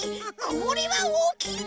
これはおおきいぞ！